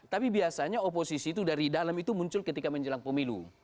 tapi biasanya oposisi itu dari dalam itu muncul ketika menjelang pemilu